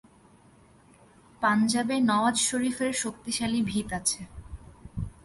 পাঞ্জাবে নওয়াজ শরিফের শক্তিশালী ভিত আছে।